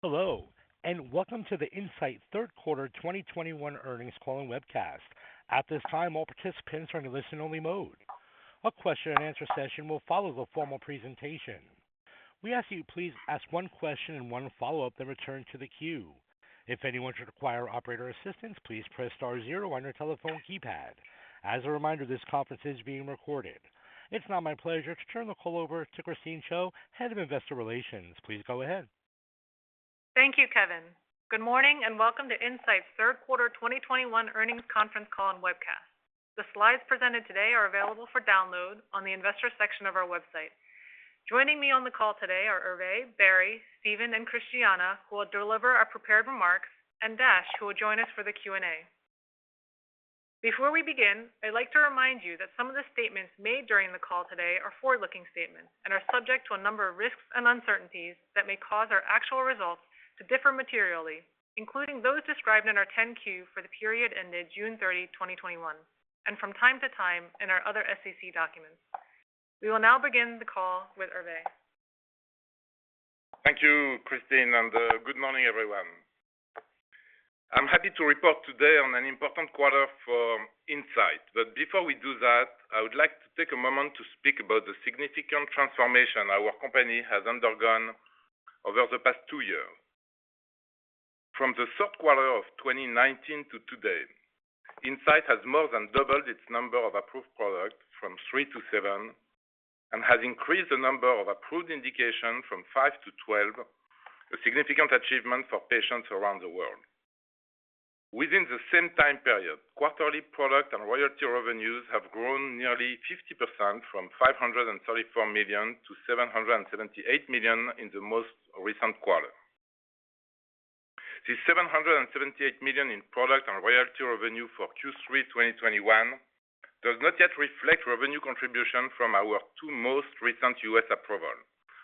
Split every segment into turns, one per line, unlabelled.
Hello, and welcome to the Incyte third quarter 2021 earnings call and webcast. At this time, all participants are in listen-only mode. A Q&A session will follow the formal presentation. We ask you please ask one question and one follow-up, then return to the queue. If anyone should require operator assistance, please press star zero on your telephone keypad. As a reminder, this conference is being recorded. It's now my pleasure to turn the call over to Christine Chiou, Head of Investor Relations. Please go ahead.
Thank you, Kevin. Good morning and welcome to Incyte's third quarter 2021 earnings conference call and webcast. The slides presented today are available for download on the investor section of our website. Joining me on the call today are Hervé, Barry, Stephen, and Christiana, who will deliver our prepared remarks, and Dash, who will join us for the Q&A. Before we begin, I'd like to remind you that some of the statements made during the call today are forward-looking statements and are subject to a number of risks and uncertainties that may cause our actual results to differ materially, including those described in our 10-Q for the period ended June 30, 2021, and from time to time in our other SEC documents. We will now begin the call with Hervé.
Thank you, Christine, and good morning, everyone. I'm happy to report today on an important quarter for Incyte. Before we do that, I would like to take a moment to speak about the significant transformation our company has undergone over the past two years. From the third quarter of 2019 to today, Incyte has more than doubled its number of approved products from three to seven, and has increased the number of approved indication from five to 12, a significant achievement for patients around the world. Within the same time period, quarterly product and royalty revenues have grown nearly 50% from $534 million to $778 million in the most recent quarter. This $778 million in product and royalty revenue for Q3 2021 does not yet reflect revenue contribution from our two most recent U.S. approval,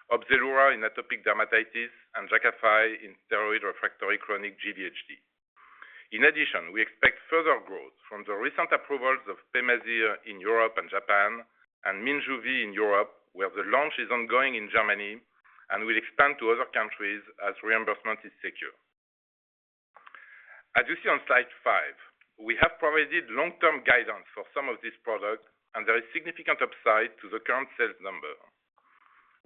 Opzelura in atopic dermatitis and Jakafi in steroid refractory chronic GVHD. In addition, we expect further growth from the recent approvals of Pemazyre in Europe and Japan, and Minjuvi in Europe, where the launch is ongoing in Germany and will expand to other countries as reimbursement is secure. As you see on slide five, we have provided long-term guidance for some of these products, and there is significant upside to the current sales number.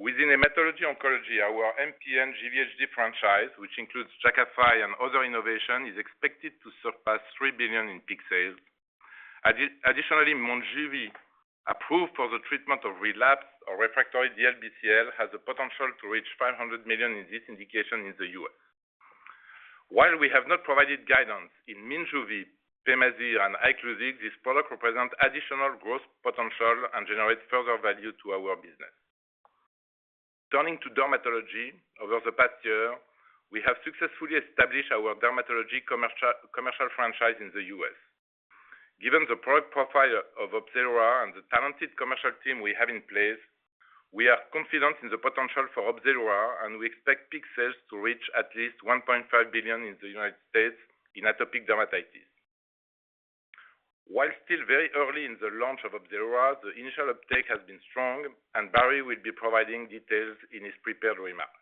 Within hematology oncology, our MPN GVHD franchise, which includes Jakafi and other innovation, is expected to surpass $3 billion in peak sales. Additionally, Monjuvi, approved for the treatment of relapsed or refractory DLBCL, has the potential to reach $500 million in this indication in the U.S. While we have not provided guidance in Minjuvi, Pemazyre and Iclusig, these products represent additional growth potential and generate further value to our business. Turning to dermatology, over the past year, we have successfully established our dermatology commercial franchise in the U.S. Given the product profile of Opzelura and the talented commercial team we have in place, we are confident in the potential for Opzelura, and we expect peak sales to reach at least $1.5 billion in the United States in atopic dermatitis. While still very early in the launch of Opzelura, the initial uptake has been strong and Barry will be providing details in his prepared remarks.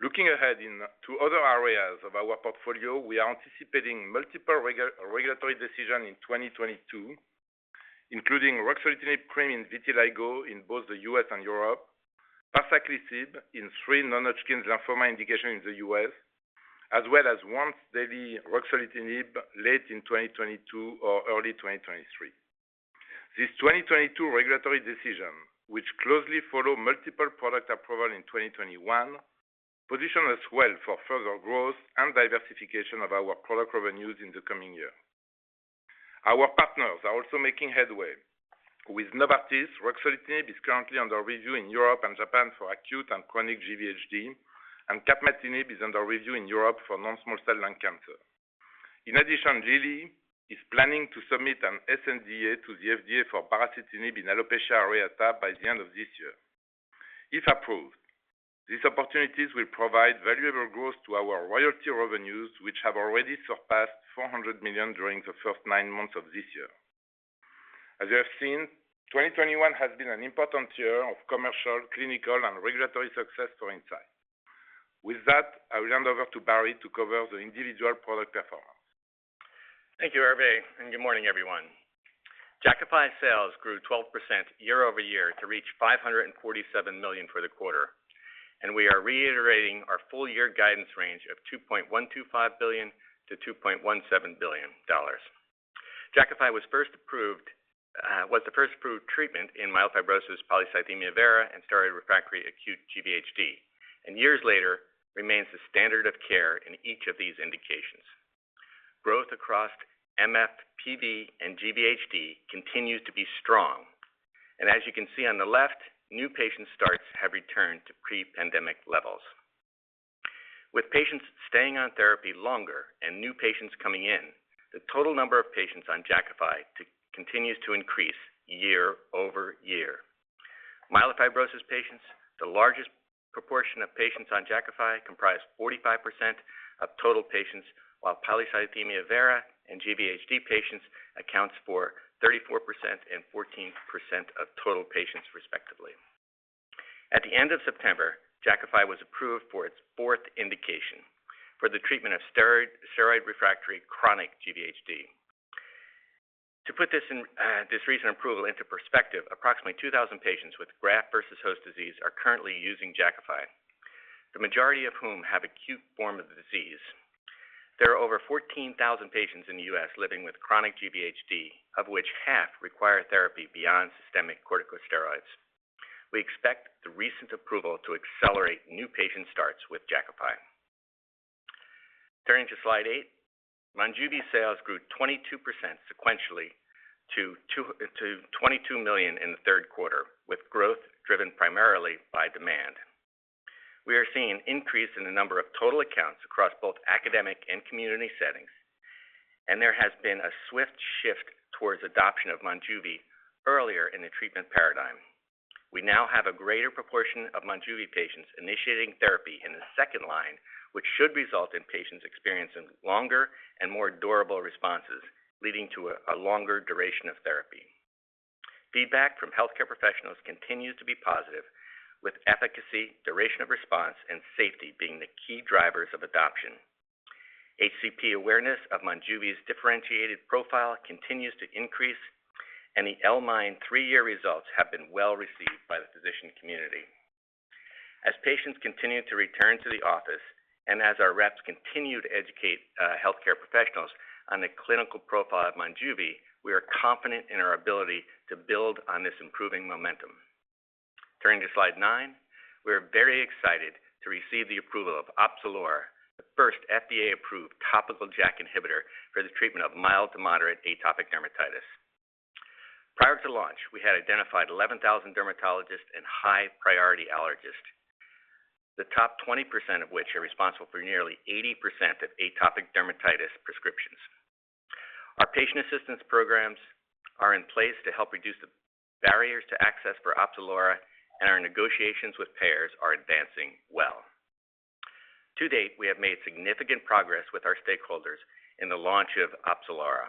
Looking ahead into other areas of our portfolio, we are anticipating multiple regulatory decisions in 2022, including ruxolitinib cream in vitiligo in both the U.S. and Europe, parsaclisib in three non-Hodgkin's lymphoma indication in the U.S., as well as once daily ruxolitinib late in 2022 or early 2023. These 2022 regulatory decisions, which closely follow multiple product approval in 2021, position us well for further growth and diversification of our product revenues in the coming year. Our partners are also making headway. With Novartis, ruxolitinib is currently under review in Europe and Japan for acute and chronic GVHD, and capmatinib is under review in Europe for non-small cell lung cancer. In addition, Lilly is planning to submit an sNDA to the FDA for baricitinib in alopecia areata by the end of this year. If approved, these opportunities will provide valuable growth to our royalty revenues, which have already surpassed $400 million during the first nine months of this year. As you have seen, 2021 has been an important year of commercial, clinical, and regulatory success for Incyte. With that, I will hand over to Barry to cover the individual product performance.
Thank you, Hervé, and good morning, everyone. Jakafi sales grew 12% year-over-year to reach $547 million for the quarter, and we are reiterating our full-year guidance range of $2.125 billion-$2.17 billion. Jakafi was the first approved treatment in myelofibrosis, polycythemia vera, and steroid-refractory acute GVHD, and years later remains the standard of care in each of these indications. Growth across MF, PV, and GVHD continues to be strong. As you can see on the left, new patient starts have returned to pre-pandemic levels. With patients staying on therapy longer and new patients coming in, the total number of patients on Jakafi continues to increase year-over-year. Myelofibrosis patients, the largest proportion of patients on Jakafi, comprise 45% of total patients, while polycythemia vera and GVHD patients accounts for 34% and 14% of total patients respectively. At the end of September, Jakafi was approved for its fourth indication for the treatment of steroid-refractory chronic GVHD. To put this in, this recent approval into perspective, approximately 2,000 patients with graft-versus-host disease are currently using Jakafi, the majority of whom have acute form of the disease. There are over 14,000 patients in the U.S. living with chronic GVHD, of which 1/2 require therapy beyond systemic corticosteroids. We expect the recent approval to accelerate new patient starts with Jakafi. Turning to slide eight, Monjuvi sales grew 22% sequentially to $22 million in the third quarter, with growth driven primarily by demand. We are seeing an increase in the number of total accounts across both academic and community settings, and there has been a swift shift towards adoption of Monjuvi earlier in the treatment paradigm. We now have a greater proportion of Monjuvi patients initiating therapy in the second line, which should result in patients experiencing longer and more durable responses, leading to a longer duration of therapy. Feedback from healthcare professionals continues to be positive, with efficacy, duration of response, and safety being the key drivers of adoption. HCP awareness of Monjuvi's differentiated profile continues to increase, and the L-MIND three-year results have been well-received by the physician community. As patients continue to return to the office, and as our reps continue to educate healthcare professionals on the clinical profile of Monjuvi, we are confident in our ability to build on this improving momentum. Turning to slide nine, we are very excited to receive the approval of Opzelura, the first FDA-approved topical JAK inhibitor for the treatment of mild to moderate atopic dermatitis. Prior to launch, we had identified 11,000 dermatologists and high-priority allergists, the top 20% of which are responsible for nearly 80% of atopic dermatitis prescriptions. Our patient assistance programs are in place to help reduce the barriers to access for Opzelura, and our negotiations with payers are advancing well. To date, we have made significant progress with our stakeholders in the launch of Opzelura.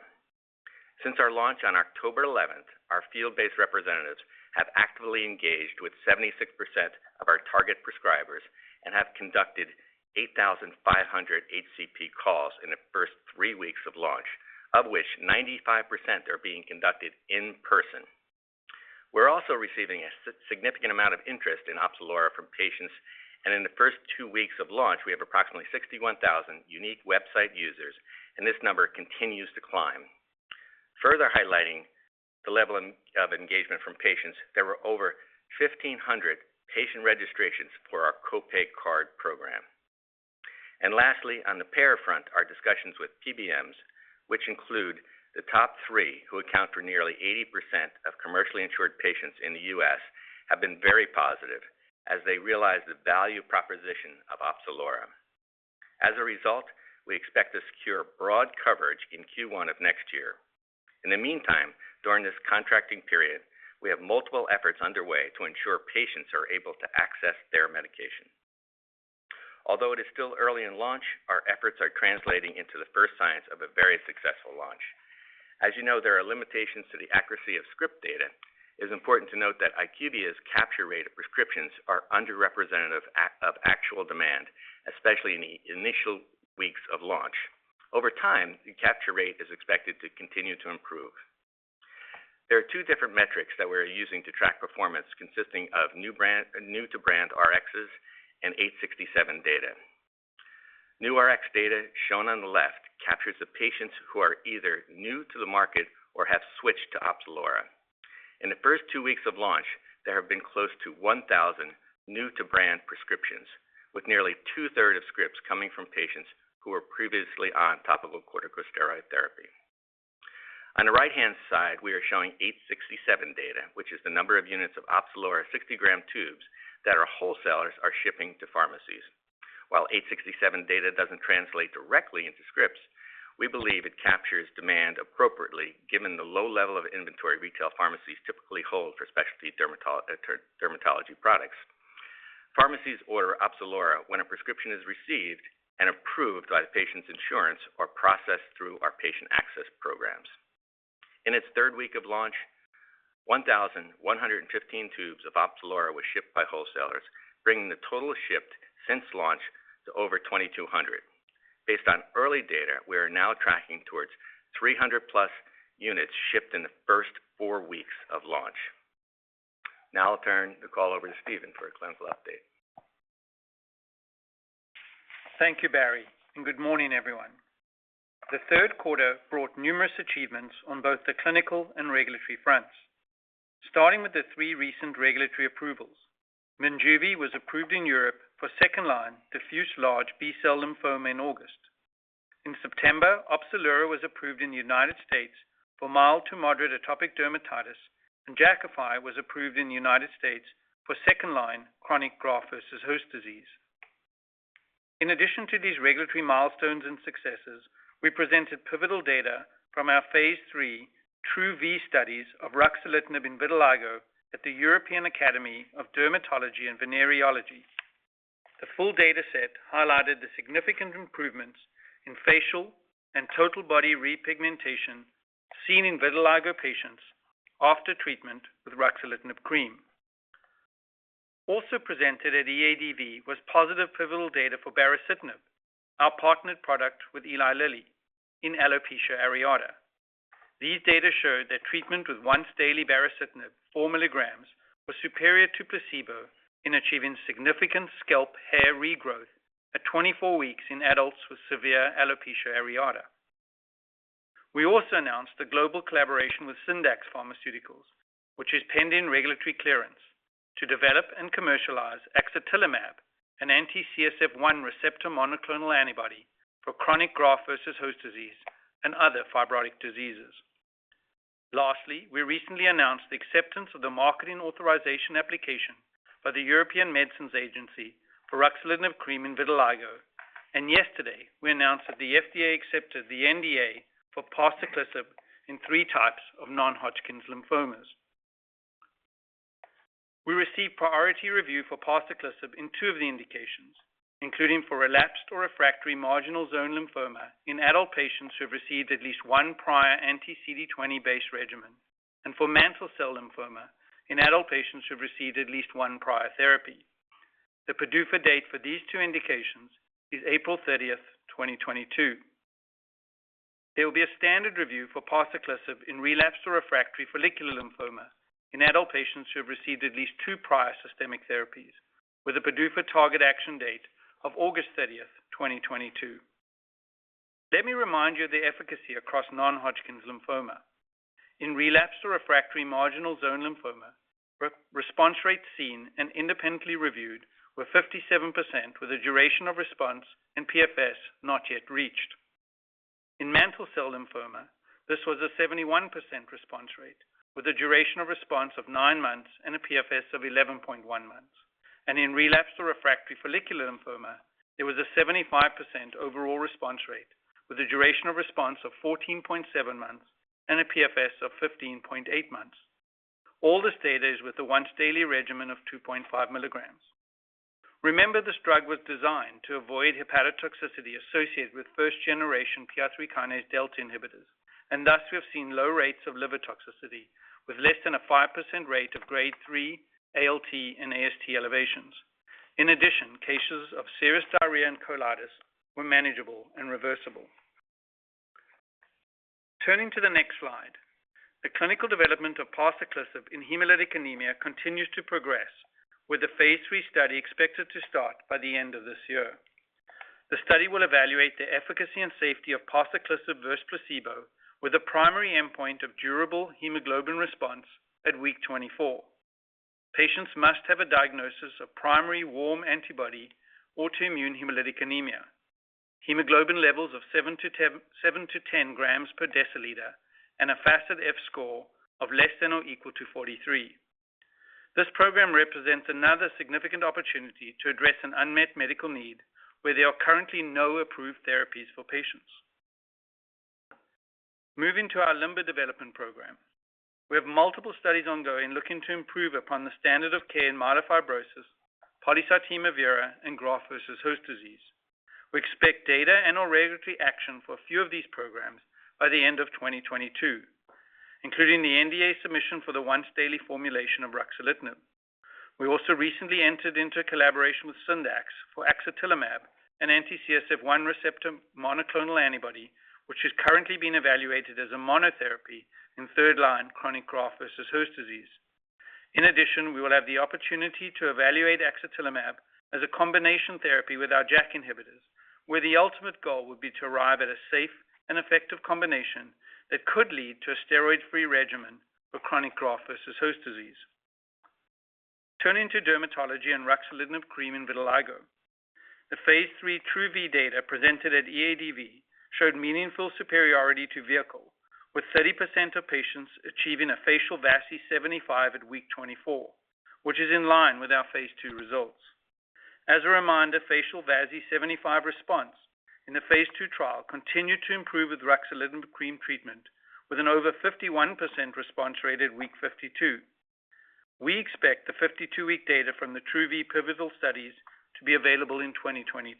Since our launch on October 11th, our field-based representatives have actively engaged with 76% of our target prescribers and have conducted 8,500 HCP calls in the first three weeks of launch, of which 95% are being conducted in person. We're also receiving a significant amount of interest in Opzelura from patients, and in the first two weeks of launch, we have approximately 61,000 unique website users, and this number continues to climb. Further highlighting the level of engagement from patients, there were over 1,500 patient registrations for our co-pay card program. Lastly, on the payer front, our discussions with PBMs, which include the top three who account for nearly 80% of commercially insured patients in the U.S., have been very positive as they realize the value proposition of Opzelura. As a result, we expect to secure broad coverage in Q1 of next year. In the meantime, during this contracting period, we have multiple efforts underway to ensure patients are able to access their medication. Although it is still early in launch, our efforts are translating into the first signs of a very successful launch. As you know, there are limitations to the accuracy of script data. It is important to note that IQVIA's capture rate of prescriptions is underrepresentative of actual demand, especially in the initial weeks of launch. Over time, the capture rate is expected to continue to improve. There are two different metrics that we're using to track performance consisting of new to brand RXs and 867 data. New RX data, shown on the left, captures the patients who are either new to the market or have switched to Opzelura. In the first two weeks of launch, there have been close to 1,000 new-to-brand prescriptions, with nearly 2/3 of scripts coming from patients who were previously on topical corticosteroid therapy. On the right-hand side, we are showing 867 data, which is the number of units of Opzelura 60 g tubes that our wholesalers are shipping to pharmacies. While 867 data doesn't translate directly into scripts, we believe it captures demand appropriately, given the low level of inventory retail pharmacies typically hold for specialty dermatology products. Pharmacies order Opzelura when a prescription is received and approved by the patient's insurance or processed through our patient access programs. In its third week of launch, 1,115 tubes of Opzelura were shipped by wholesalers, bringing the total shipped since launch to over 2,200. Based on early data, we are now tracking towards 300+ units shipped in the first four weeks of launch. Now I'll turn the call over to Stephen for a clinical update.
Thank you, Barry, and good morning, everyone. The third quarter brought numerous achievements on both the clinical and regulatory fronts. Starting with the three recent regulatory approvals, Monjuvi was approved in Europe for second-line diffuse large B-cell lymphoma in August. In September, Opzelura was approved in the United States for mild to moderate atopic dermatitis, and Jakafi was approved in the United States for second-line chronic graft-versus-host disease. In addition to these regulatory milestones and successes, we presented pivotal data from our phase III TRuE-V studies of ruxolitinib in vitiligo at the European Academy of Dermatology and Venereology. The full data set highlighted the significant improvements in facial and total body repigmentation seen in vitiligo patients after treatment with ruxolitinib cream. Also presented at EADV was positive pivotal data for baricitinib, our partnered product with Eli Lilly in alopecia areata. These data showed that treatment with once daily baricitinib 4 mg was superior to placebo in achieving significant scalp hair regrowth at 24 weeks in adults with severe alopecia areata. We also announced a global collaboration with Syndax Pharmaceuticals, which is pending regulatory clearance to develop and commercialize axatilimab, an anti-CSF1 receptor monoclonal antibody for chronic graft-versus-host disease and other fibrotic diseases. Lastly, we recently announced the acceptance of the marketing authorization application by the European Medicines Agency for ruxolitinib cream in vitiligo. Yesterday, we announced that the FDA accepted the NDA for parsaclisib in three types of non-Hodgkin's lymphomas. We received priority review for parsaclisib in two of the indications, including for relapsed or refractory marginal zone lymphoma in adult patients who have received at least one prior anti-CD20-based regimen, and for mantle cell lymphoma in adult patients who've received at least one prior therapy. The PDUFA date for these two indications is April 30th, 2022. There will be a standard review for parsaclisib in relapsed or refractory follicular lymphoma in adult patients who have received at least two prior systemic therapies with a PDUFA target action date of August 30th, 2022. Let me remind you of the efficacy across non-Hodgkin's lymphoma. In relapsed or refractory marginal zone lymphoma, response rates seen and independently reviewed were 57% with a duration of response and PFS not yet reached. In mantle cell lymphoma, this was a 71% response rate with a duration of response of nine months and a PFS of 11.1 months. In relapsed or refractory follicular lymphoma, it was a 75% overall response rate with a duration of response of 14.7 months and a PFS of 15.8 months. All this data is with the once daily regimen of 2.5 mg. Remember, this drug was designed to avoid hepatotoxicity associated with first generation PI3K delta inhibitors, and thus we have seen low rates of liver toxicity with less than a 5% rate of grade three ALT and AST elevations. In addition, cases of serious diarrhea and colitis were manageable and reversible. Turning to the next slide, the clinical development of parsaclisib in hemolytic anemia continues to progress with the phase III study expected to start by the end of this year. The study will evaluate the efficacy and safety of parsaclisib versus placebo with a primary endpoint of durable hemoglobin response at week 24. Patients must have a diagnosis of primary warm antibody autoimmune hemolytic anemia, hemoglobin levels of 7-10 g per deciliter, and a FACIT-F score of less than or equal to 43. This program represents another significant opportunity to address an unmet medical need where there are currently no approved therapies for patients. Moving to our LIMBER development program. We have multiple studies ongoing looking to improve upon the standard of care in myelofibrosis, polycythemia vera, and graft-versus-host disease. We expect data and/or regulatory action for a few of these programs by the end of 2022, including the NDA submission for the once-daily formulation of ruxolitinib. We also recently entered into a collaboration with Syndax for axatilimab, an anti-CSF1R monoclonal antibody, which is currently being evaluated as a monotherapy in third-line chronic graft-versus-host disease. In addition, we will have the opportunity to evaluate axatilimab as a combination therapy with our JAK inhibitors, where the ultimate goal would be to arrive at a safe and effective combination that could lead to a steroid-free regimen for chronic graft-versus-host disease. Turning to dermatology and ruxolitinib cream in vitiligo. The phase III TRuE-V data presented at EADV showed meaningful superiority to vehicle, with 30% of patients achieving a F-VASI75 at week 24, which is in line with our phase II results. As a reminder, F-VASI75 response in the phase II trial continued to improve with ruxolitinib cream treatment with an over 51% response rate at week 52. We expect the 52-week data from the TRuE-V pivotal studies to be available in 2022.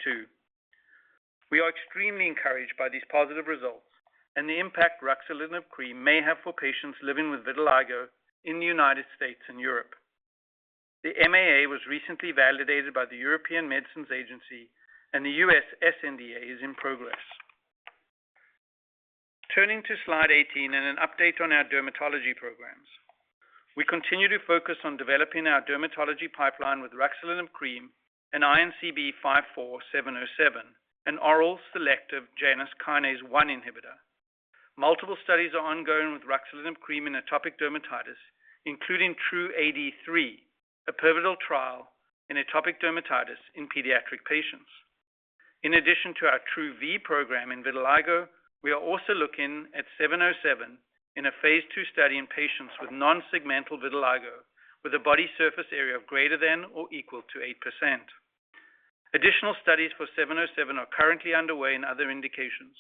We are extremely encouraged by these positive results and the impact ruxolitinib cream may have for patients living with vitiligo in the United States and Europe. The MAA was recently validated by the European Medicines Agency, and the U.S. sNDA is in progress. Turning to slide 18 and an update on our dermatology programs. We continue to focus on developing our dermatology pipeline with ruxolitinib cream and INCB54707, an oral selective Janus kinase one inhibitor. Multiple studies are ongoing with ruxolitinib cream in atopic dermatitis, including TRuE-AD3, a pivotal trial in atopic dermatitis in pediatric patients. In addition to our TRuE-V program in vitiligo, we are also looking at INCB54707 in a phase II study in patients with non-segmental vitiligo with a body surface area of greater than or equal to 8%. Additional studies for INCB54707 are currently underway in other indications.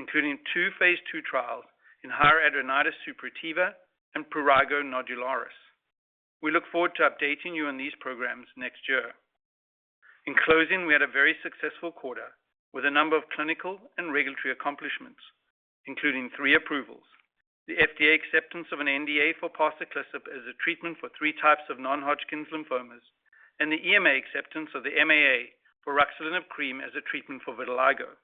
Including two phase II trials in hidradenitis suppurativa and prurigo nodularis. We look forward to updating you on these programs next year. In closing, we had a very successful quarter with a number of clinical and regulatory accomplishments, including three approvals, the FDA acceptance of an NDA for parsaclisib as a treatment for three types of non-Hodgkin's lymphomas, and the EMA acceptance of the MAA for ruxolitinib cream as a treatment for vitiligo.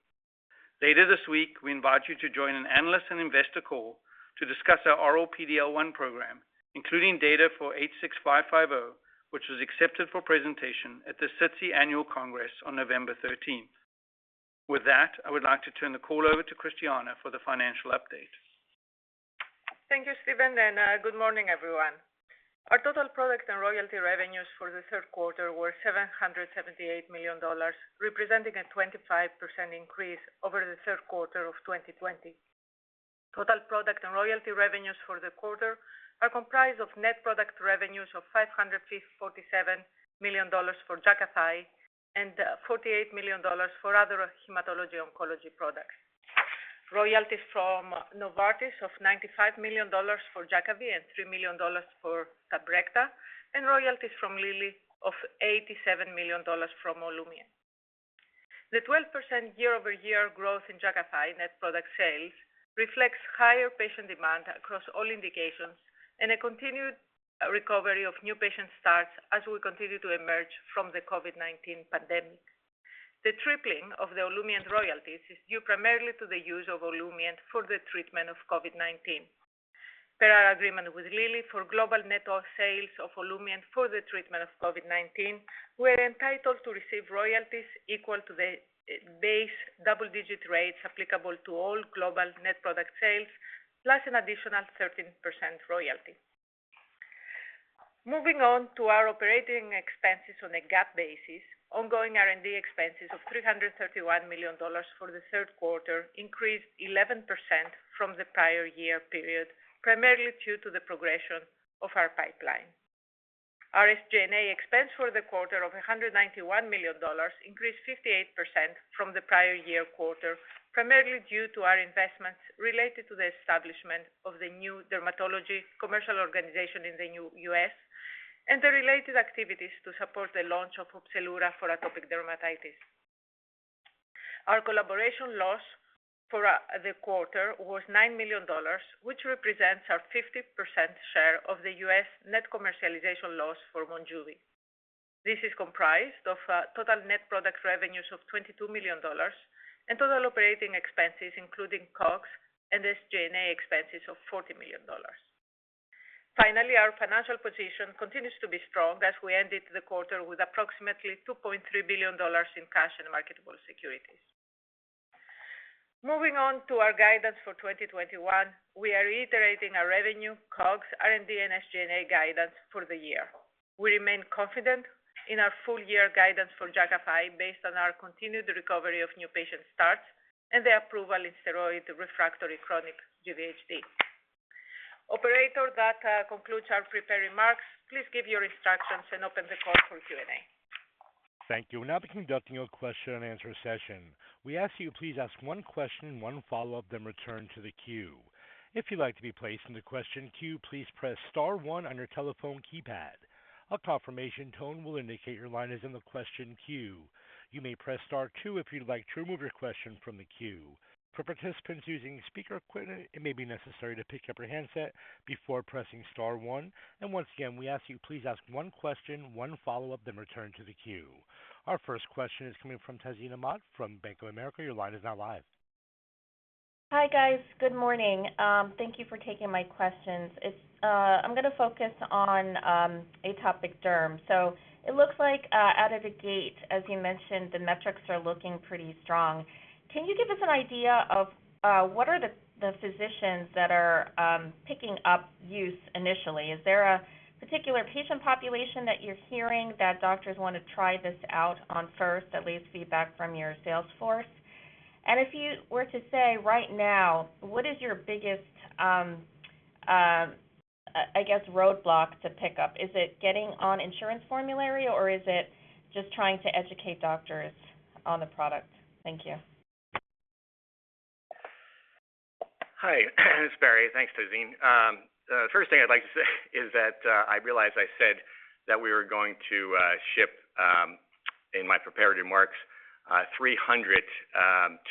Later this week, we invite you to join an analyst and investor call to discuss our oral PD-L1 program, including data for INCB086550, which was accepted for presentation at the SITC Annual Congress on November 13th. With that, I would like to turn the call over to Christiana for the financial update.
Thank you, Stephen, and good morning, everyone. Our total product and royalty revenues for the third quarter were $778 million, representing a 25% increase over the third quarter of 2020. Total product and royalty revenues for the quarter are comprised of net product revenues of $547 million for Jakafi and $48 million for other hematology oncology products. Royalties from Novartis of $95 million for Jakafi and $3 million for Tabrecta, and royalties from Lilly of $87 million from Olumiant. The 12% year-over-year growth in Jakafi net product sales reflects higher patient demand across all indications and a continued recovery of new patient starts as we continue to emerge from the COVID-19 pandemic. The tripling of the Olumiant royalties is due primarily to the use of Olumiant for the treatment of COVID-19. Per our agreement with Lilly for global net sales of Olumiant for the treatment of COVID-19, we're entitled to receive royalties equal to the base double-digit rates applicable to all global net product sales, plus an additional 13% royalty. Moving on to our operating expenses on a GAAP basis. Ongoing R&D expenses of $331 million for the third quarter increased 11% from the prior year period, primarily due to the progression of our pipeline. Our SG&A expense for the quarter of $191 million increased 58% from the prior year quarter, primarily due to our investments related to the establishment of the new dermatology commercial organization in the U.S. and the related activities to support the launch of Opzelura for atopic dermatitis. Our collaboration loss for the quarter was $9 million, which represents our 50% share of the U.S. net commercialization loss for Monjuvi. This is comprised of total net product revenues of $22 million and total operating expenses, including COGS and SG&A expenses of $40 million. Finally, our financial position continues to be strong as we ended the quarter with approximately $2.3 billion in cash and marketable securities. Moving on to our guidance for 2021. We are reiterating our revenue, COGS, R&D, and SG&A guidance for the year. We remain confident in our full year guidance for Jakafi based on our continued recovery of new patient starts and the approval in steroid refractory chronic GVHD. Operator, that concludes our prepared remarks. Please give your instructions and open the call for Q&A.
Thank you. We'll now be conducting a Q&A session. We ask you please ask one question, one follow-up, then return to the queue. If you'd like to be placed in the question queue, please press star one on your telephone keypad. A confirmation tone will indicate your line is in the question queue. You may press star two if you'd like to remove your question from the queue. For participants using speaker equipment, it may be necessary to pick up your handset before pressing star one. Once again, we ask you please ask one question, one follow-up, then return to the queue. Our first question is coming from Tazeen Ahmad from Bank of America. Your line is now live.
Hi, guys. Good morning. Thank you for taking my questions. I'm gonna focus on atopic derm. It looks like out of the gate, as you mentioned, the metrics are looking pretty strong. Can you give us an idea of what are the physicians that are picking up use initially? Is there a particular patient population that you're hearing that doctors wanna try this out on first, at least feedback from your sales force? And if you were to say right now, what is your biggest I guess roadblock to pick up? Is it getting on insurance formulary, or is it just trying to educate doctors on the product? Thank you.
Hi, it's Barry. Thanks, Tazeen. The first thing I'd like to say is that I realize I said that we were going to ship in my prepared remarks 300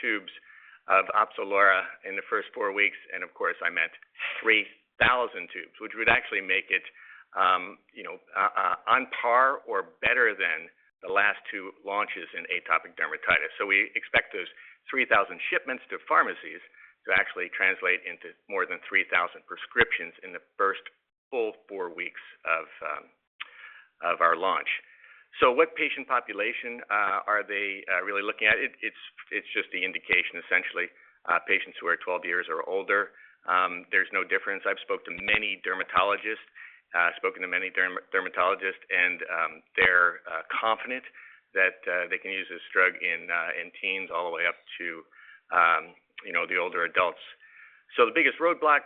tubes of Opzelura in the first four weeks, and of course, I meant 3,000 tubes, which would actually make it, you know, on par or better than the last two launches in atopic dermatitis. We expect those 3,000 shipments to pharmacies to actually translate into more than 3,000 prescriptions in the first full four weeks of our launch. What patient population are they really looking at? It's just the indication, essentially, patients who are 12 years or older. There's no difference. I've spoken to many dermatologists, and they're confident that they can use this drug in teens all the way up to you know the older adults. The biggest roadblock,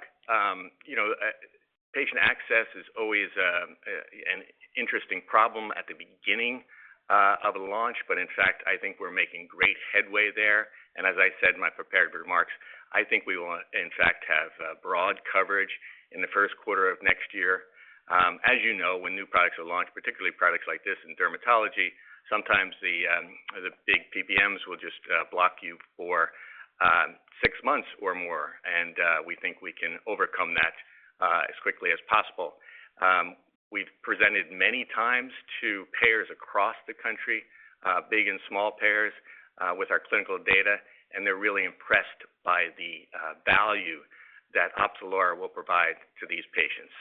patient access is always an interesting problem at the beginning of a launch, but in fact, I think we're making great headway there. As I said in my prepared remarks, I think we will, in fact, have broad coverage in the first quarter of next year. As you know, when new products are launched, particularly products like this in dermatology, sometimes the big PBMs will just block you for six months or more, and we think we can overcome that as quickly as possible. We've presented many times to payers across the country, big and small payers, with our clinical data, and they're really impressed by the value that Opzelura will provide to these patients.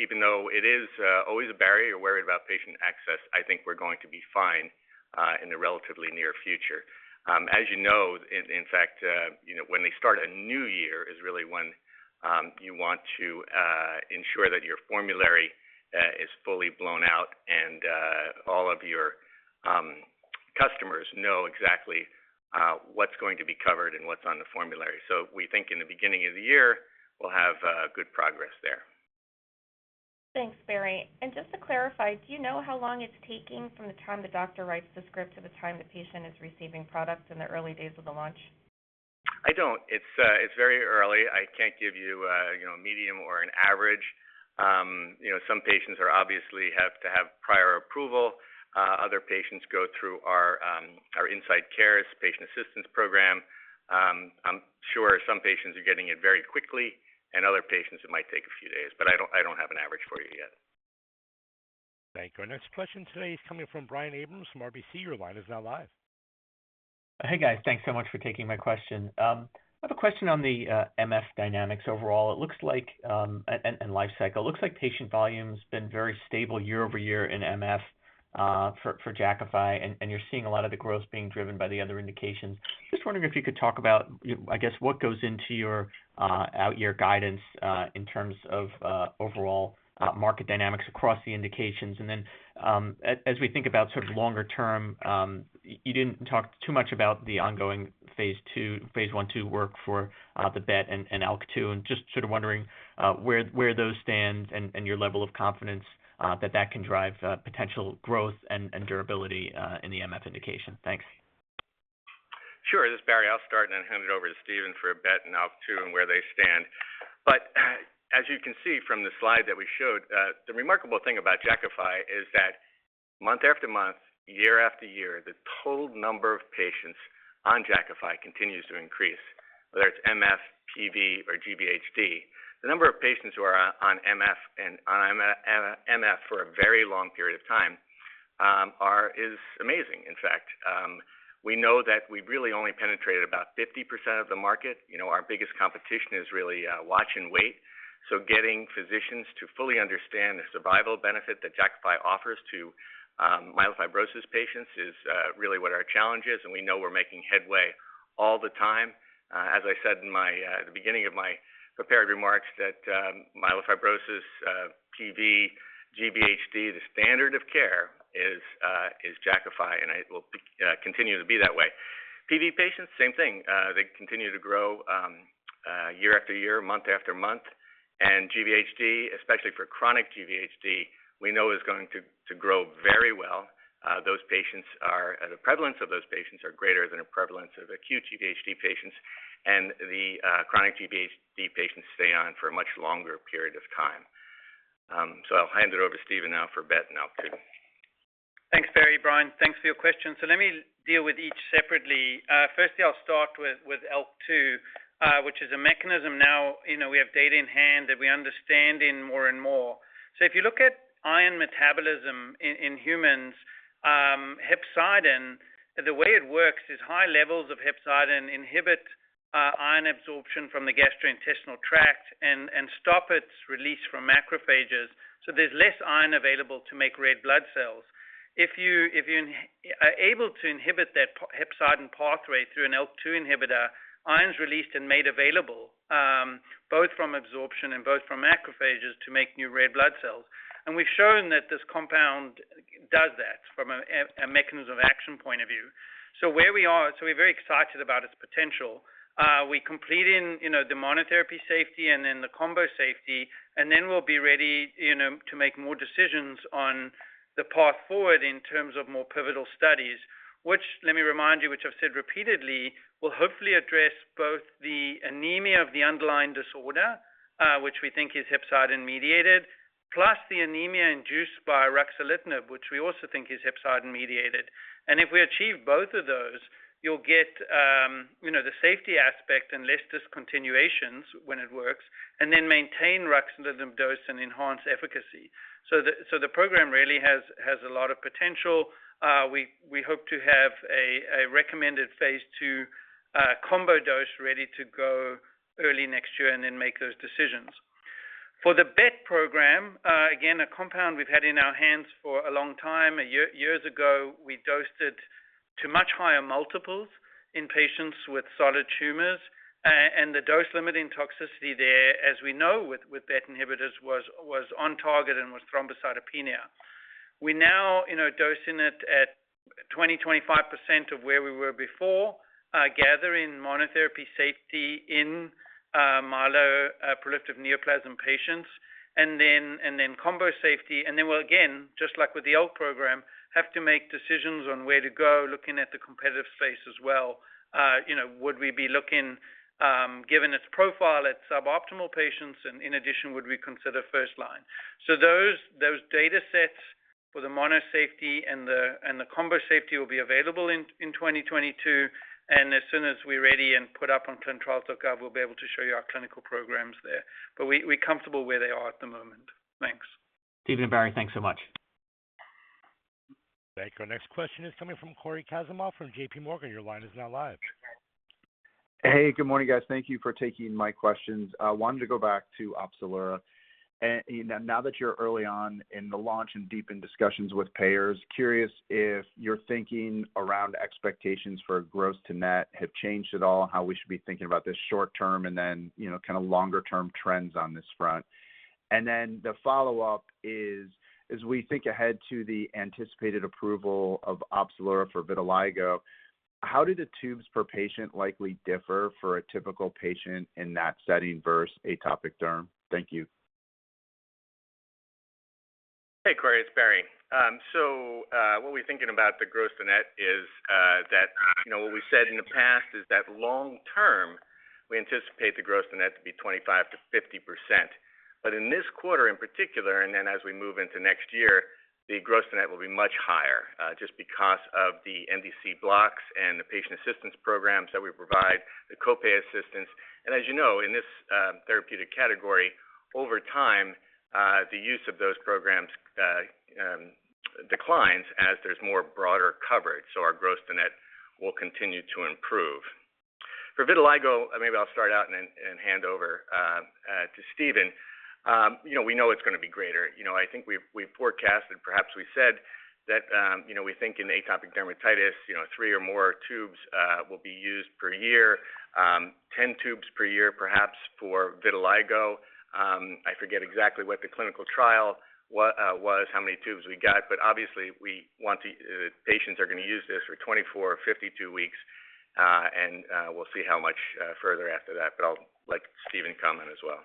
Even though it is always a barrier, you're worried about patient access, I think we're going to be fine in the relatively near future. As you know, in fact, you know, when they start a new year is really when you want to ensure that your formulary is fully blown out and all of your customers know exactly what's going to be covered and what's on the formulary. We think in the beginning of the year, we'll have good progress there.
Thanks, Barry. Just to clarify, do you know how long it's taking from the time the doctor writes the script to the time the patient is receiving products in the early days of the launch?
I don't. It's very early. I can't give you know, a median or an average. You know, some patients obviously have to have prior approval. Other patients go through our IncyteCARES patient assistance program. I'm sure some patients are getting it very quickly, and other patients it might take a few days, but I don't have an average for you yet.
Thank you. Our next question today is coming from Brian Abrahams from RBC. Your line is now live.
Hey, guys. Thanks so much for taking my question. I have a question on the MF dynamics overall. Looks like patient volume's been very stable year-over-year in MF for Jakafi, and you're seeing a lot of the growth being driven by the other indications. Just wondering if you could talk about, you know, I guess, what goes into your out-year guidance in terms of overall market dynamics across the indications. Then, as we think about sort of longer term, you didn't talk too much about the ongoing phase II phase I/II for the BET and ALK2. Just sort of wondering where those stand and your level of confidence that can drive potential growth and durability in the MF indication. Thanks.
Sure. This is Barry. I'll start and then hand it over to Stephen for a BET and ALK2 and where they stand. As you can see from the slide that we showed, the remarkable thing about Jakafi is that month after month, year after year, the total number of patients on Jakafi continues to increase, whether it's MF, PV, or GVHD. The number of patients who are on MF for a very long period of time is amazing, in fact. We know that we've really only penetrated about 50% of the market. You know, our biggest competition is really watch and wait. Getting physicians to fully understand the survival benefit that Jakafi offers to myelofibrosis patients is really what our challenge is, and we know we're making headway all the time. As I said in the beginning of my prepared remarks that myelofibrosis, PV, GVHD, the standard of care is Jakafi, and it will continue to be that way. PV patients, same thing. They continue to grow year after year, month after month. GVHD, especially for chronic GVHD, we know is going to grow very well. The prevalence of those patients are greater than a prevalence of acute GVHD patients. Chronic GVHD patients stay on for a much longer period of time. I'll hand it over to Stephen now for BET and ALK2.
Thanks, Barry. Brian, thanks for your question. Let me deal with each separately. Firstly, I'll start with ALK2, which is a mechanism now, you know, we have data in hand that we understand in more and more. If you look at iron metabolism in humans, hepcidin, the way it works is high levels of hepcidin inhibit iron absorption from the gastrointestinal tract and stop its release from macrophages. There's less iron available to make red blood cells. If you are able to inhibit that hepcidin pathway through an ALK2 inhibitor, iron's released and made available, both from absorption and both from macrophages to make new red blood cells. We've shown that this compound does that from a mechanism of action point of view. Where we are, we're very excited about its potential. We'll complete the monotherapy safety and then the combo safety, and then we'll be ready, you know, to make more decisions on the path forward in terms of more pivotal studies, which I've said repeatedly, will hopefully address both the anemia of the underlying disorder, which we think is hepcidin-mediated, plus the anemia induced by ruxolitinib, which we also think is hepcidin-mediated. If we achieve both of those, you'll get, you know, the safety aspect and less discontinuations when it works, and then maintain ruxolitinib dose and enhance efficacy. The program really has a lot of potential. We hope to have a recommended phase II combo dose ready to go early next year and then make those decisions. For the BET program, again, a compound we've had in our hands for a long time. Years ago, we dosed it to much higher multiples in patients with solid tumors. The dose-limiting toxicity there, as we know with BET inhibitors, was on target and was thrombocytopenia. We now, you know, dosing it at 20%-25% of where we were before, gathering monotherapy safety in myeloproliferative neoplasm patients and then combo safety. We'll again, just like with the old program, have to make decisions on where to go, looking at the competitive space as well. You know, would we be looking, given its profile at suboptimal patients, and in addition, would we consider first line. Those data sets for the mono safety and the combo safety will be available in 2022. As soon as we're ready and put up on clinicaltrials.gov, we'll be able to show you our clinical programs there. We're comfortable where they are at the moment. Thanks.
Stephen and Barry, thanks so much.
Thank you. Our next question is coming from Cory Kasimov from JPMorgan. Your line is now live.
Hey, good morning, guys. Thank you for taking my questions. I wanted to go back to Opzelura. You know, now that you're early on in the launch and deepened discussions with payers, curious if you're thinking around expectations for gross to net have changed at all, how we should be thinking about this short term and then, you know, kind of longer term trends on this front. The follow-up is, as we think ahead to the anticipated approval of Opzelura for vitiligo, how did the tubes per patient likely differ for a typical patient in that setting versus atopic derm? Thank you.
Hey, Cory, it's Barry. What we're thinking about the gross to net is that, you know, what we said in the past is that long term, we anticipate the gross to net to be 25%-50%. In this quarter in particular, and then as we move into next year, the gross to net will be much higher, just because of the NDC blocks and the patient assistance programs that we provide, the co-pay assistance. As you know, in this therapeutic category, over time, the use of those programs declines as there's broader coverage. Our gross to net will continue to improve. For vitiligo, maybe I'll start out and then hand over to Stephen. You know, we know it's gonna be greater. You know, I think we've forecasted, perhaps we said that, you know, we think in atopic dermatitis, you know, three or more tubes will be used per year. 10 tubes per year, perhaps for vitiligo. I forget exactly what the clinical trial was, how many tubes we got. But obviously, we want the patients are gonna use this for 24 or 52 weeks, and we'll see how much further after that. But I'll let Stephen comment as well.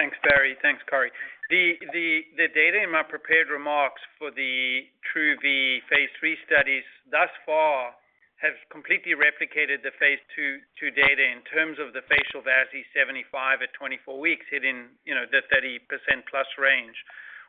Thanks, Barry. Thanks, Cory. The data in my prepared remarks for the TRuE-V phase III studies thus far have completely replicated the phase II data in terms of the F-VASI75 at 24 weeks hitting, you know, the 30%+ range.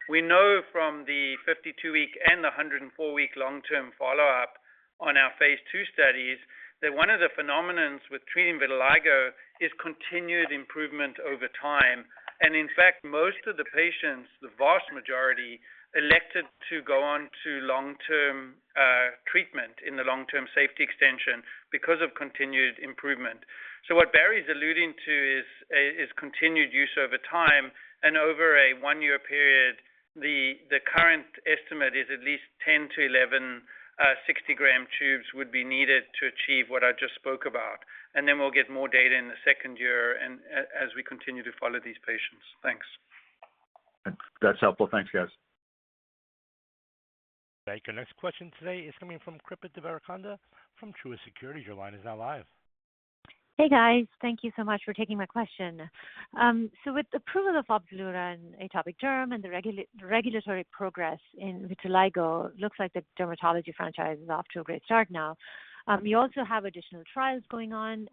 We know from the 52-week and the 104-week long-term follow-up on our phase II studies that one of the phenomena with treating vitiligo is continued improvement over time. In fact, most of the patients, the vast majority, elected to go on to long-term treatment in the long-term safety extension because of continued improvement. What Barry is alluding to is continued use over time. Over a one-year period, the current estimate is at least 10-11 60 g tubes would be needed to achieve what I just spoke about. Then we'll get more data in the second year and as we continue to follow these patients. Thanks.
That's helpful. Thanks, guys.
Thank you. Our next question today is coming from Srikripa Devarakonda from Truist Securities. Your line is now live.
Hey, guys. Thank you so much for taking my question. With the approval of Opzelura in atopic derm and the regulatory progress in vitiligo, looks like the dermatology franchise is off to a great start now. You also have additional trials going on.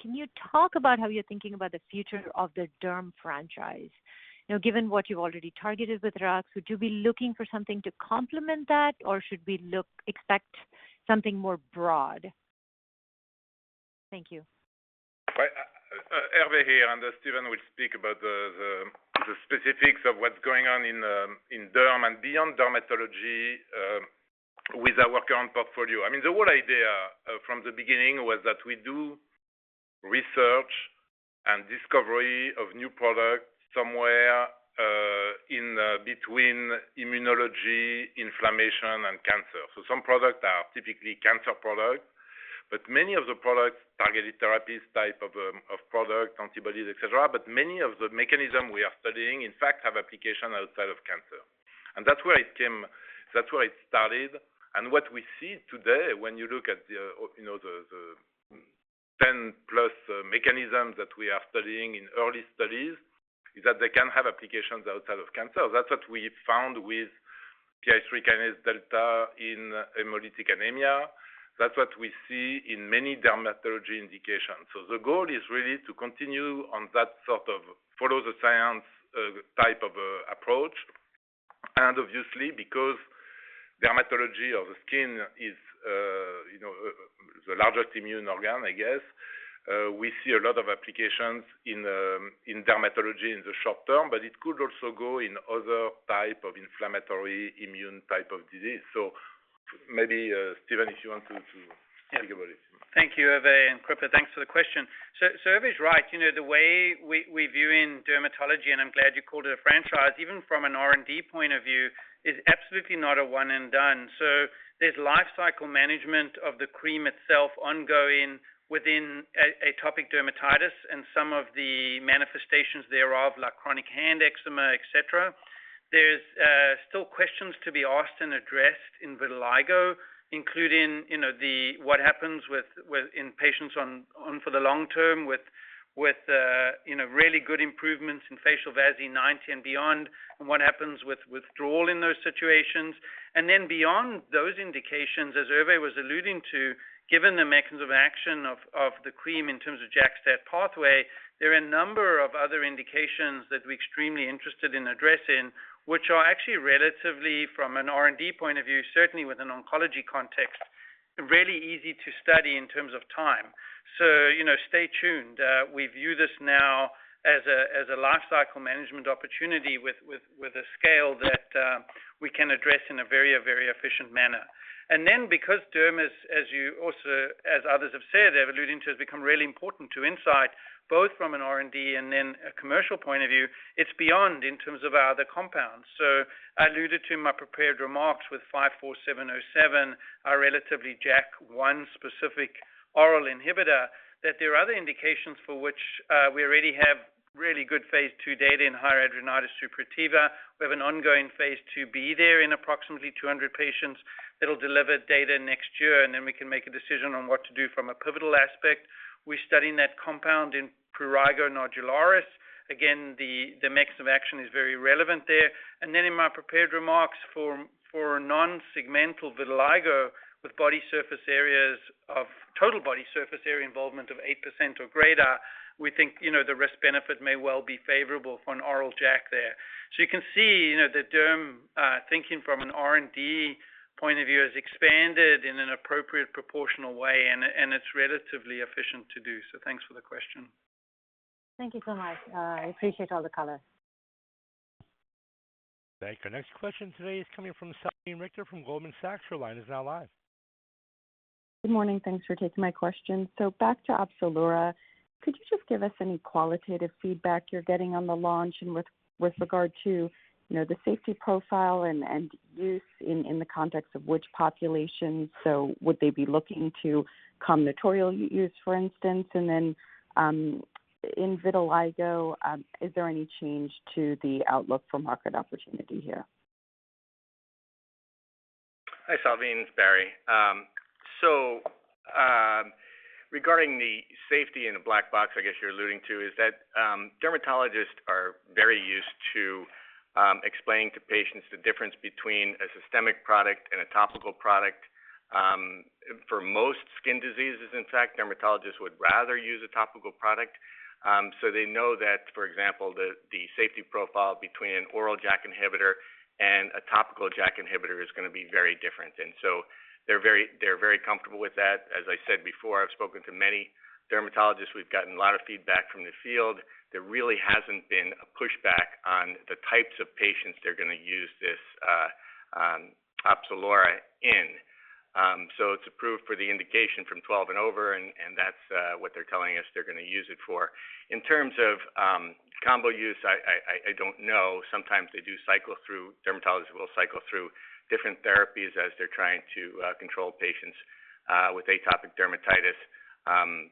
Can you talk about how you're thinking about the future of the derm franchise? You know, given what you've already targeted with rux, would you be looking for something to complement that, or should we expect something more broad? Thank you.
Right. Hervé here, and Stephen will speak about the specifics of what's going on in derm and beyond dermatology with our current portfolio. I mean, the whole idea from the beginning was that we do research and discovery of new products somewhere in between immunology, inflammation, and cancer. Some products are typically cancer products, but many of the products, targeted therapies type of product, antibodies, et cetera, but many of the mechanism we are studying, in fact, have application outside of cancer. That's where it came, that's where it started. What we see today when you look at the, or, you know, the 10+ mechanisms that we are studying in early studies is that they can have applications outside of cancer. That's what we found with PI3 kinase delta in hemolytic anemia. That's what we see in many dermatology indications. The goal is really to continue on that sort of follow the science type of approach. Obviously, because dermatology of the skin is, you know, the largest immune organ, I guess, we see a lot of applications in dermatology in the short term, but it could also go in other type of inflammatory immune type of disease. Maybe, Stephen, if you want to to speak about it.
Yeah. Thank you, Hervé, and Srikripa, thanks for the question. Hervé's right. You know, the way we view in dermatology, and I'm glad you called it a franchise, even from an R&D point of view, is absolutely not a one and done. There's life cycle management of the cream itself ongoing within atopic dermatitis and some of the manifestations thereof, like chronic hand eczema, et cetera. There's still questions to be asked and addressed in vitiligo, including, you know, what happens with in patients on for the long term with you know, really good improvements in F-VASI90 and beyond, and what happens with withdrawal in those situations. Beyond those indications, as Hervé was alluding to, given the mechanism of action of the cream in terms of JAK-STAT pathway, there are a number of other indications that we're extremely interested in addressing, which are actually relatively from an R&D point of view, certainly with an oncology context, really easy to study in terms of time. You know, stay tuned. We view this now as a lifecycle management opportunity with a scale that we can address in a very efficient manner. Because derm is, as others have said, they've alluded to has become really important to Incyte, both from an R&D and then a commercial point of view. It's beyond in terms of our other compounds. I alluded to in my prepared remarks with INCB54707, our relatively JAK1 specific oral inhibitor, that there are other indications for which we already have really good phase II data in hidradenitis suppurativa. We have an ongoing phase II-B trial in approximately 200 patients that'll deliver data next year, and then we can make a decision on what to do from a pivotal aspect. We're studying that compound in prurigo nodularis. Again, the mechanism of action is very relevant there. In my prepared remarks for non-segmental vitiligo with body surface area involvement of 8% or greater, we think, you know, the risk benefit may well be favorable for an oral JAK there. You can see, you know, the derm, thinking from an R&D point of view has expanded in an appropriate proportional way, and it's relatively efficient to do. Thanks for the question.
Thank you so much. I appreciate all the color.
Thank you. Next question today is coming from Salveen Richter from Goldman Sachs. Your line is now live.
Good morning. Thanks for taking my question. Back to Opzelura. Could you just give us any qualitative feedback you're getting on the launch and with regard to, you know, the safety profile and use in the context of which population? Would they be looking to combinatorial use, for instance? In vitiligo, is there any change to the outlook for market opportunity here?
Hi, Salveen. It's Barry. Regarding the safety in a black box, I guess you're alluding to, is that dermatologists are very used to explaining to patients the difference between a systemic product and a topical product. For most skin diseases, in fact, dermatologists would rather use a topical product. They know that, for example, the safety profile between an oral JAK inhibitor and a topical JAK inhibitor is gonna be very different. They're very comfortable with that. As I said before, I've spoken to many dermatologists. We've gotten a lot of feedback from the field. There really hasn't been a pushback on the types of patients they're gonna use this Opzelura in. It's approved for the indication from 12 and over, and that's what they're telling us they're gonna use it for. In terms of combo use, I don't know. Sometimes dermatologists will cycle through different therapies as they're trying to control patients with atopic dermatitis.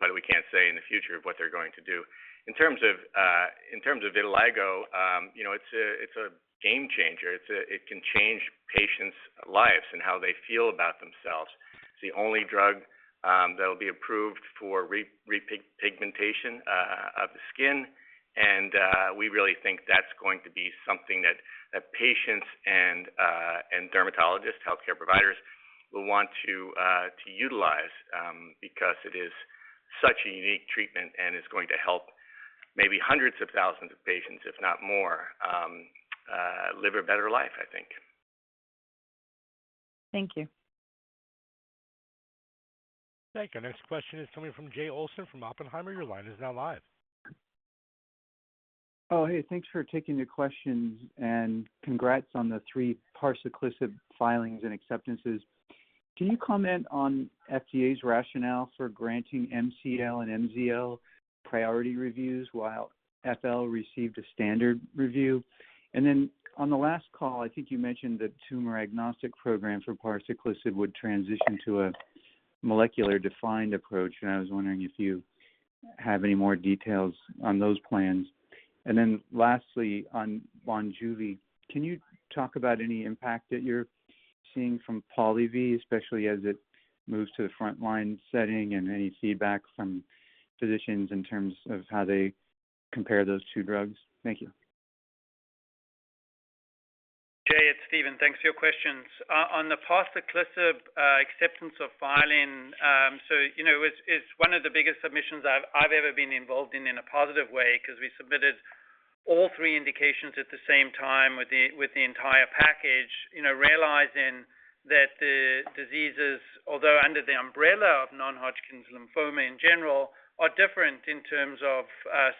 But we can't say, in the future, what they're going to do. In terms of vitiligo, you know, it's a game changer. It can change patients' lives and how they feel about themselves. It's the only drug that'll be approved for repigmentation of the skin. We really think that's going to be something that patients and dermatologists, healthcare providers will want to utilize, because it is such a unique treatment and is going to help maybe hundreds of thousands of patients, if not more, live a better life, I think.
Thank you.
Thank you. Next question is coming from Jay Olson from Oppenheimer. Your line is now live.
Oh, hey, thanks for taking the questions and congrats on the three parsaclisib filings and acceptances. Can you comment on FDA's rationale for granting MCL and MZL priority reviews while FL received a standard review? On the last call, I think you mentioned the tumor agnostic program for parsaclisib would transition to a molecular-defined approach. I was wondering if you have any more details on those plans. Lastly, on Monjuvi, can you talk about any impact that you're seeing from Polivy, especially as it moves to the frontline setting and any feedback from physicians in terms of how they compare those two drugs? Thank you.
Jay, it's Stephen. Thanks for your questions. On the parsaclisib acceptance of filing, you know, it's one of the biggest submissions I've ever been involved in in a positive way 'cause we submitted all three indications at the same time with the entire package, you know, realizing that the diseases, although under the umbrella of non-Hodgkin's lymphoma in general, are different in terms of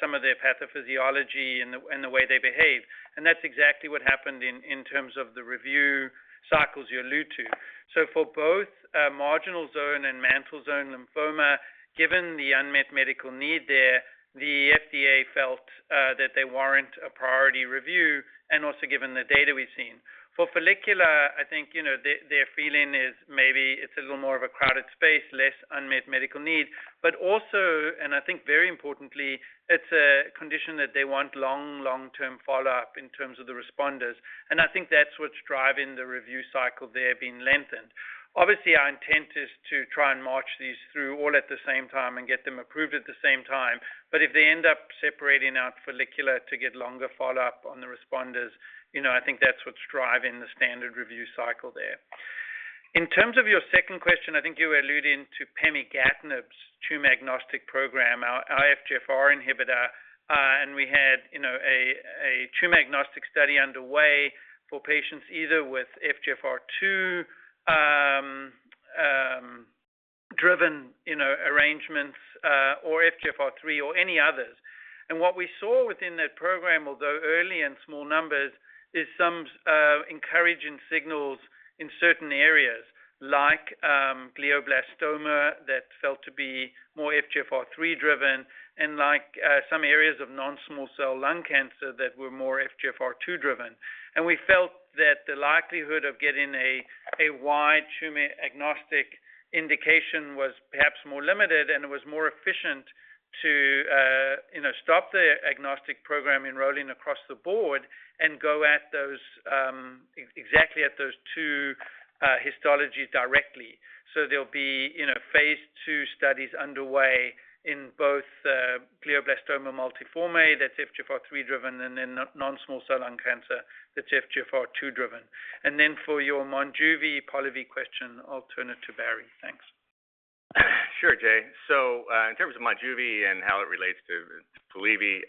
some of their pathophysiology and the way they behave. That's exactly what happened in terms of the review cycles you allude to. For both marginal zone and mantle cell lymphoma, given the unmet medical need there, the FDA felt that they warrant a priority review and also given the data we've seen. For follicular, I think, you know, their feeling is maybe it's a little more of a crowded space, less unmet medical needs. I think very importantly, it's a condition that they want long, long-term follow-up in terms of the responders. I think that's what's driving the review cycle there being lengthened. Obviously, our intent is to try and march these through all at the same time and get them approved at the same time. If they end up separating out follicular to get longer follow-up on the responders, you know, I think that's what's driving the standard review cycle there. In terms of your second question, I think you were alluding to pemigatinib's tumor-agnostic program, our FGFR inhibitor. We had, you know, a tumor-agnostic study underway for patients either with FGFR2 driven, you know, rearrangements, or FGFR3 or any others. What we saw within that program, although early and small numbers, is some encouraging signals in certain areas like glioblastoma that felt to be more FGFR3-driven and like some areas of non-small cell lung cancer that were more FGFR2-driven. We felt that the likelihood of getting a wide tumor-agnostic indication was perhaps more limited, and it was more efficient to you know stop the agnostic program enrolling across the board and go at those exactly at those two histologies directly. There'll be you know phase II studies underway in both glioblastoma multiforme that's FGFR3-driven and then non-small cell lung cancer that's FGFR2-driven. Then for your Monjuvi Polivy question, I'll turn it to Barry. Thanks.
Sure, Jay. In terms of Monjuvi and how it relates to Polivy,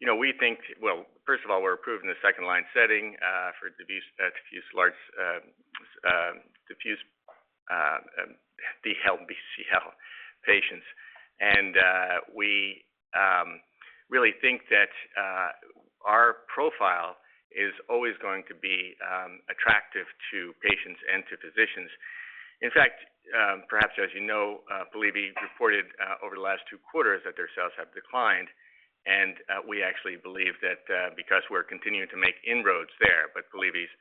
you know, we think. Well, first of all, we're approved in the second line setting for diffuse large DLBCL patients. We really think that our profile is always going to be attractive to patients and to physicians. In fact, perhaps as you know, Polivy reported over the last two quarters that their sales have declined. We actually believe that because we're continuing to make inroads there, but Polivy's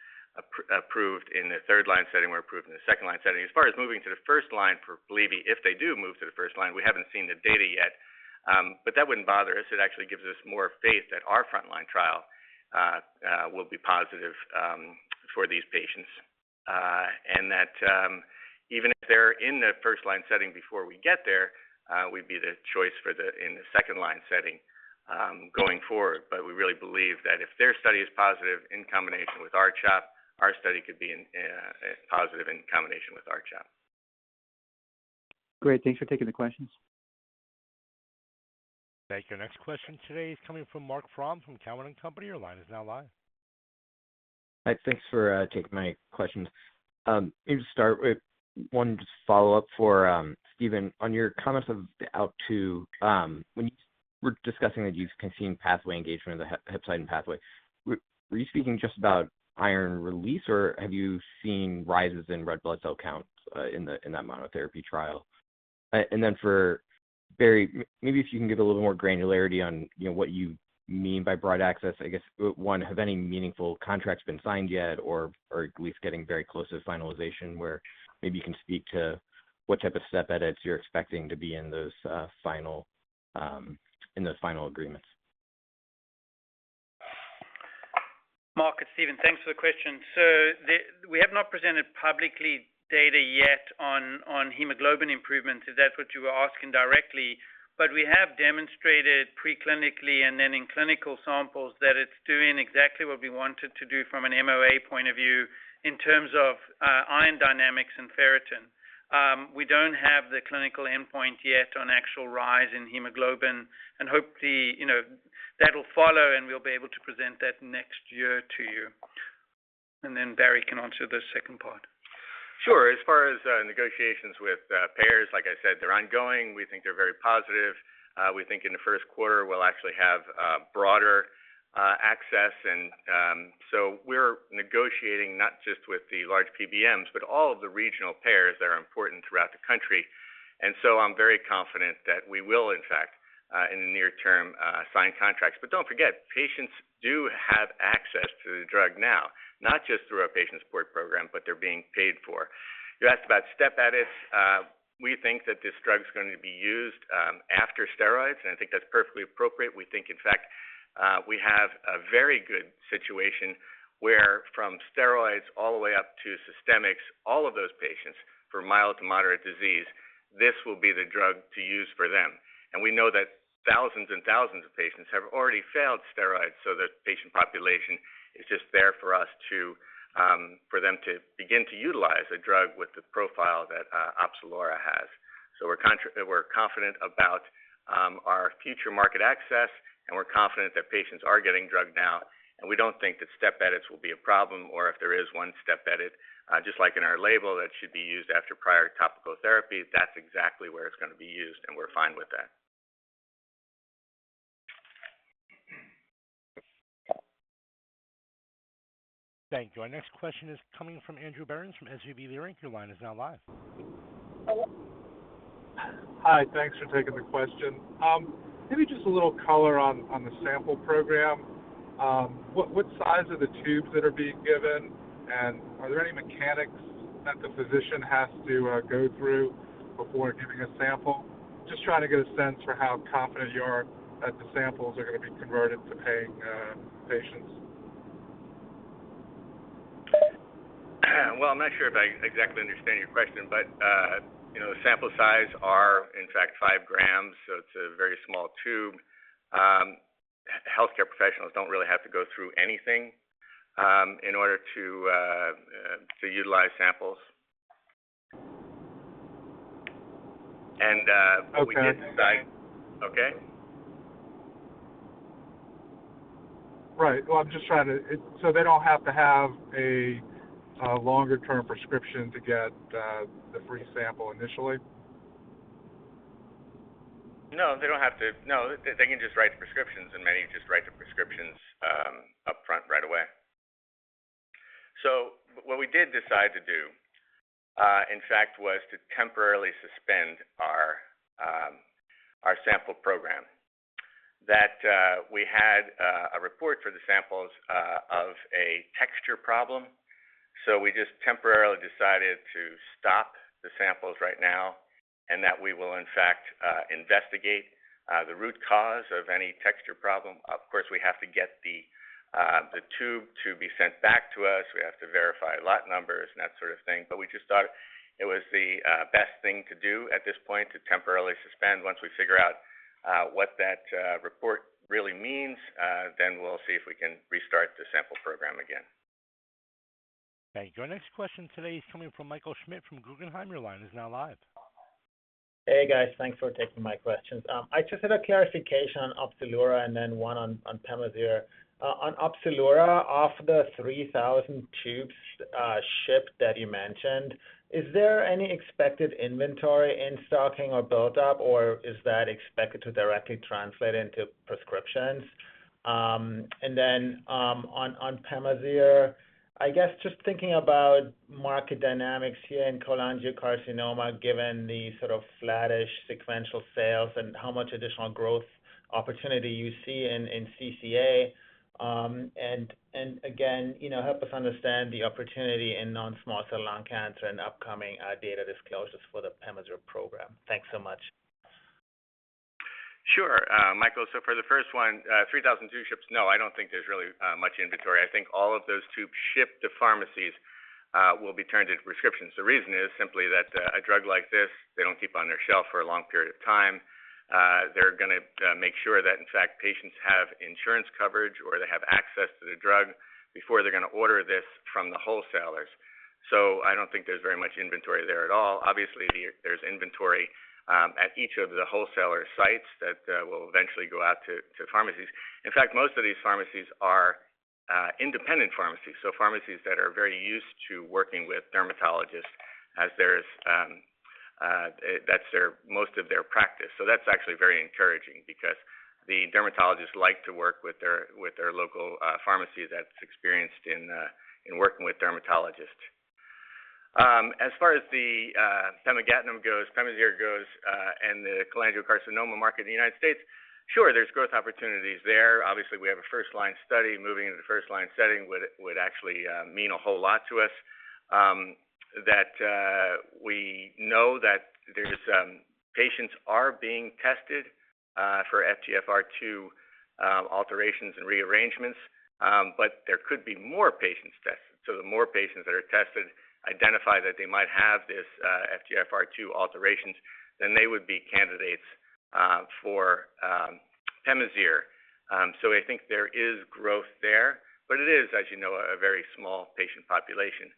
approved in the third line setting, we're approved in the second line setting. As far as moving to the first line for Polivy, if they do move to the first line, we haven't seen the data yet, but that wouldn't bother us. It actually gives us more faith that our frontline trial will be positive for these patients. Even if they're in the first line setting before we get there, we'd be the choice for them in the second line setting going forward. We really believe that if their study is positive in combination with R-CHOP, our study could be positive in combination with R-CHOP.
Great. Thanks for taking the questions.
Thank you. Our next question today is coming from Marc Frahm from Cowen and Company. Your line is now live.
Hi. Thanks for taking my questions. Maybe to start with one follow-up for Stephen. On your comments of the ALK2, when you were discussing that you've seen pathway engagement of the hepcidin pathway, were you speaking just about iron release or have you seen rises in red blood cell counts in that monotherapy trial? And then for Barry, maybe if you can give a little more granularity on, you know, what you mean by broad access. I guess, one, have any meaningful contracts been signed yet or at least getting very close to finalization, where maybe you can speak to what type of step edits you're expecting to be in those final agreements?
Mark, it's Stephen. Thanks for the question. We have not presented publicly data yet on hemoglobin improvements if that's what you were asking directly. We have demonstrated pre-clinically and then in clinical samples that it's doing exactly what we want it to do from an MOA point of view in terms of iron dynamics and ferritin. We don't have the clinical endpoint yet on actual rise in hemoglobin and hope that'll follow, and we'll be able to present that next year to you. Then Barry can answer the second part.
Sure. As far as negotiations with payers, like I said, they're ongoing. We think they're very positive. We think in the first quarter we'll actually have broader access and so we're negotiating not just with the large PBMs, but all of the regional payers that are important throughout the country. I'm very confident that we will, in fact, in the near term, sign contracts. Don't forget, patients do have access to the drug now, not just through our patient support program, but they're being paid for. You asked about step edits. We think that this drug's gonna be used after steroids, and I think that's perfectly appropriate. We think, in fact, we have a very good situation where from steroids all the way up to systemics, all of those patients for mild to moderate disease, this will be the drug to use for them. We know that thousands and thousands of patients have already failed steroids, so the patient population is just there for us to, for them to begin to utilize a drug with the profile that, Opzelura has. We're confident about our future market access, and we're confident that patients are getting the drug now, and we don't think that step edits will be a problem or if there is one step edit, just like in our label, that should be used after prior topical therapy. That's exactly where it's gonna be used, and we're fine with that.
Thank you. Our next question is coming from Andrew Berens from SVB Leerink. Your line is now live.
Hi. Thanks for taking the question. Maybe just a little color on the sample program. What size are the tubes that are being given, and are there any mechanics The physician has to go through before giving a sample. Just trying to get a sense for how confident you are that the samples are gonna be converted to paying patients.
Well, I'm not sure if I exactly understand your question, but, you know, sample size are in fact 5 g, so it's a very small tube. Healthcare professionals don't really have to go through anything in order to utilize samples.
Okay.
What we did decide.
Okay. Right. Well, they don't have to have a longer-term prescription to get the free sample initially?
No, they don't have to. No, they can just write the prescriptions, and many just write the prescriptions up front right away. What we did decide to do, in fact, was to temporarily suspend our sample program. That we had a report for the samples of a texture problem, so we just temporarily decided to stop the samples right now and that we will in fact investigate the root cause of any texture problem. Of course, we have to get the tube to be sent back to us. We have to verify lot numbers and that sort of thing. We just thought it was the best thing to do at this point to temporarily suspend. Once we figure out what that report really means, then we'll see if we can restart the sample program again.
Thank you. Our next question today is coming from Michael Schmidt from Guggenheim. Your line is now live.
Hey, guys. Thanks for taking my questions. I just had a clarification on Opzelura and then one on Pemazyre. On Opzelura, of the 3,000 tubes shipped that you mentioned, is there any expected inventory in stocking or built up, or is that expected to directly translate into prescriptions? And then, on Pemazyre, I guess just thinking about market dynamics here in cholangiocarcinoma, given the sort of flattish sequential sales and how much additional growth opportunity you see in CCA, and again, you know, help us understand the opportunity in non-small cell lung cancer and upcoming data disclosures for the Pemazyre program. Thanks so much.
Sure. Michael, for the first one, 3,000 tubes shipped. No, I don't think there's really much inventory. I think all of those tubes shipped to pharmacies will be turned into prescriptions. The reason is simply that a drug like this, they don't keep on their shelf for a long period of time. They're gonna make sure that, in fact, patients have insurance coverage or they have access to the drug before they're gonna order this from the wholesalers. I don't think there's very much inventory there at all. Obviously, there's inventory at each of the wholesaler sites that will eventually go out to pharmacies. In fact, most of these pharmacies are independent pharmacies that are very used to working with dermatologists as that's their most of their practice. That's actually very encouraging because the dermatologists like to work with their local pharmacy that's experienced in working with dermatologists. As far as pemigatinib goes, Pemazyre goes, and the cholangiocarcinoma market in the United States, sure there's growth opportunities there. Obviously, we have a first-line study. Moving into the first-line setting would actually mean a whole lot to us. We know that there are patients being tested for FGFR2 alterations and rearrangements, but there could be more patients tested. The more patients that are tested identify that they might have this FGFR2 alterations, then they would be candidates for Pemazyre. So I think there is growth there, but it is, as you know, a very small patient population.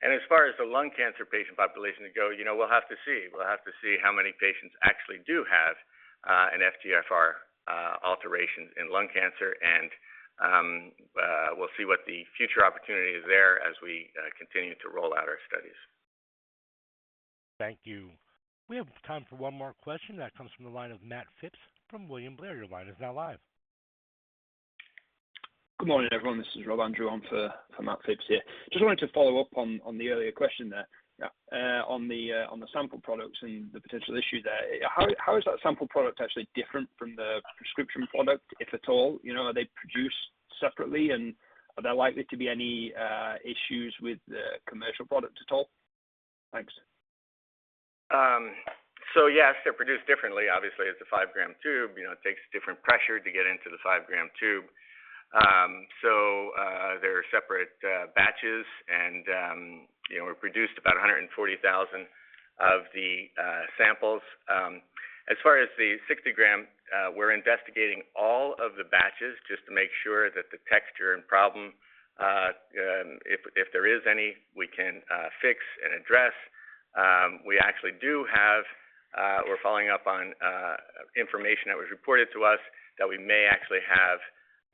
As far as the lung cancer patient population go, you know, we'll have to see. We'll have to see how many patients actually do have an FGFR alterations in lung cancer. We'll see what the future opportunity is there as we continue to roll out our studies.
Thank you. We have time for one more question. That comes from the line of Matt Phipps from William Blair. Your line is now live.
Good morning, everyone. This is Rob Andrews on for Matt Phipps here. Just wanted to follow up on the earlier question there.
Yeah.
On the sample products and the potential issue there. How is that sample product actually different from the prescription product, if at all? You know, are they produced separately, and are there likely to be any issues with the commercial product at all? Thanks.
Yes, they're produced differently. Obviously, it's a 5 g tube, you know, it takes different pressure to get into the 5 g tube. They're separate batches and, you know, were produced about 140,000 of the samples. As far as the 60 g, we're investigating all of the batches just to make sure that the texture and problem, if there is any, we can fix and address. We actually do have. We're following up on information that was reported to us that we may actually have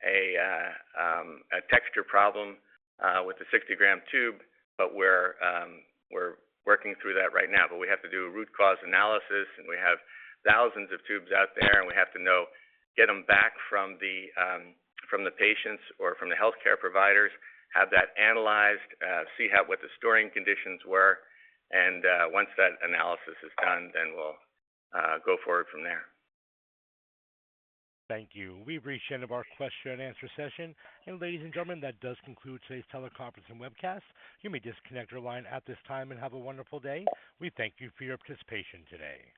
a texture problem with the 60 g tube. We're working through that right now. We have to do a root cause analysis, and we have thousands of tubes out there, and we have to know, get them back from the patients or from the healthcare providers, have that analyzed, see what the storing conditions were. Once that analysis is done, we'll go forward from there.
Thank you. We've reached the end of our Q&A session. Ladies and gentlemen, that does conclude today's teleconference and webcast. You may disconnect your line at this time and have a wonderful day. We thank you for your participation today.